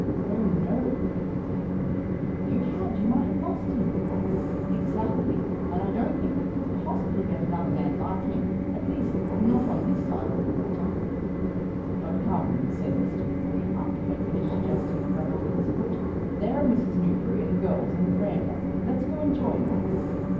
"Oh no," echoed the other lady; "if you had you might have lost him." "Exactly. And I don't think we could possibly get another man like him; at least, not on this side of the water." "But come," said Mr. Newberry, after he had finished adjusting the gravel with his foot, "there are Mrs. Newberry and the girls on the verandah. Let's go and join them."